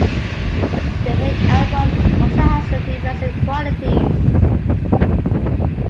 The hit and run also has defensive qualities.